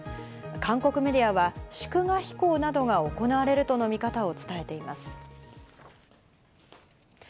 韓国メディアは祝賀飛行などが行われるとの見方を伝えています。